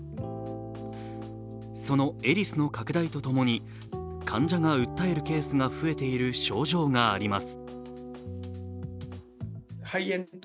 そのエリスの拡大とともに、患者が訴えるケースが増えている症状があります。